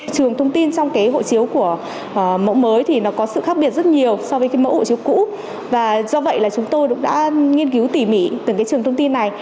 trường thông tin trong hộ chiếu của mẫu mới có sự khác biệt rất nhiều so với mẫu hộ chiếu cũ do vậy chúng tôi đã nghiên cứu tỉ mỉ từng trường thông tin này